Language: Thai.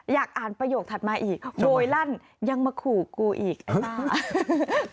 อยากอ่านประโยคถัดมาอีกโดยลั่นยังมาขู่กูอีก